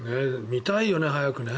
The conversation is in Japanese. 見たいよね、早くね。